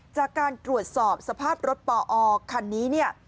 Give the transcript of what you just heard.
จากการตรวจสอบสภาพรถปอคันนี้เนี่ย